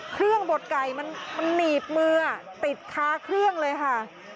บดไก่มันหนีบมือติดค้าเครื่องเลยค่ะ